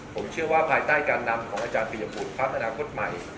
ผมเชื่อว่าภายใต้การนำของอาจารย์ปียบุตรพักอนาคตใหม่